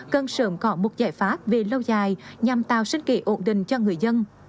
cần sớm có một giải pháp về lâu dài nhằm tạo sinh kế ổn định cho người dân